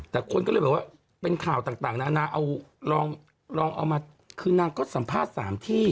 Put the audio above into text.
แต่คนก็เลยแบบว่าเป็นข่าวต่างนานาเอาลองเอามาคือนางก็สัมภาษณ์๓ที่